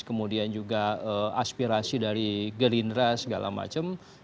kemudian juga aspirasi dari gerindra segala macam